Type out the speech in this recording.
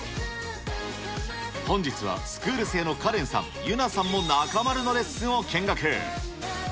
本日はスクール生のカレンさん、ユナさんも中丸のレッスンを見学。